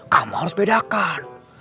kamu harus bedakan